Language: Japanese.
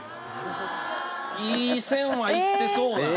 いい線はいってそうな。